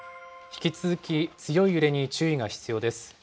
引き続き強い揺れに注意が必要です。